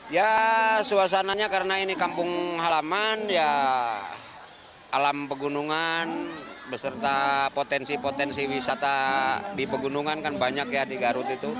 ya suasananya karena ini kampung halaman ya alam pegunungan beserta potensi potensi wisata di pegunungan kan banyak ya di garut itu